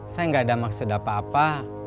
saya nggak ada maksud apa apa